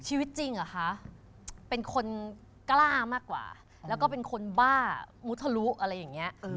ชีวิตจริงอะคะเป็นคนกล้ามากกว่าแล้วก็เป็นคนบ้ามุทรรู้อะไรอย่างเงี้ย